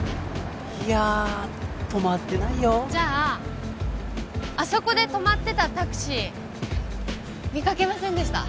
いや止まってないよじゃああそこで止まってたタクシー見かけませんでした？